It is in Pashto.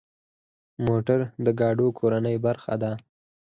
موټر د ګاډو کورنۍ برخه ده.